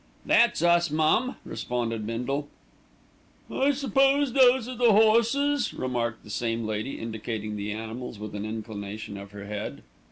"That's us, mum," responded Bindle. "I suppose those are the horses," remarked the same lady, indicating the animals with an inclination of her head.